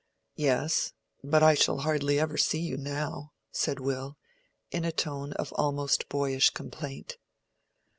"Yes; but I shall hardly ever see you now," said Will, in a tone of almost boyish complaint.